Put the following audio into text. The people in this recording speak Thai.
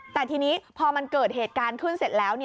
แต่ทีนี้พอมันเกิดเหตุการณ์ขึ้นเสร็จแล้ว